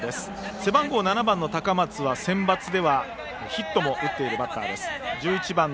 背番号７番の高松はセンバツではヒットも打っているバッターです。